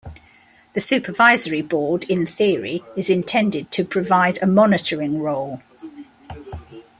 The supervisory board, in theory, is intended to provide a monitoring role.